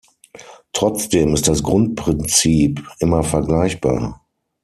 Trotzdem ist das Grundprinzip immer vergleichbar.